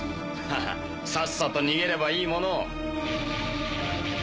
ハハさっさと逃げればいいものを。